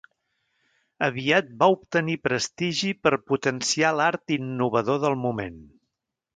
Aviat va obtenir prestigi per potenciar l'art innovador del moment.